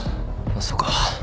そうか。